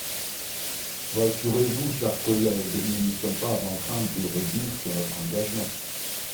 Rassurez-vous, chers collègues, nous ne sommes pas en train de revenir sur notre engagement.